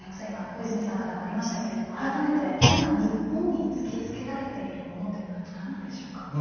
今小泉さんからもありましたけれども改めて今日本に突きつけられているものというのはなんなのでしょうか。